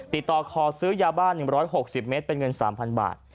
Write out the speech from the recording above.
ติดต่อขอซื้อยาบ้าน๑๖๐เมตรเป็นเงิน๓๐๐บาท